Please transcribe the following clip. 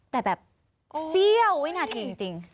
แต่แบบเสี้ยววินาทีจริง